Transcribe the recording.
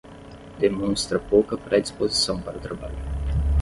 Demonstra pouca predisposição para o trabalho.